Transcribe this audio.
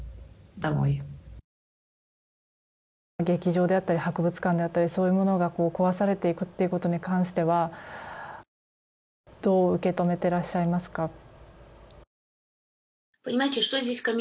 劇場であったり博物館であったりそういうものが壊されていくということに関してはどう受け止めていらっしゃいますか。